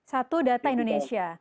satu data indonesia